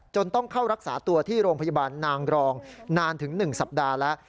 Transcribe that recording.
ต้องเข้ารักษาตัวที่โรงพยาบาลนางรองนานถึง๑สัปดาห์แล้ว